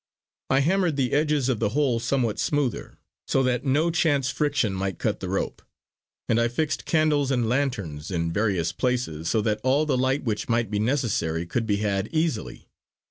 I hammered the edges of the hole somewhat smoother, so that no chance friction might cut the rope; and I fixed candles and lanterns in various places, so that all the light which might be necessary could be had easily.